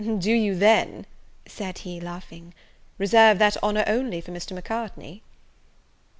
"Do you then," said he, laughing, "reserve that honour only for Mr. Macartney?"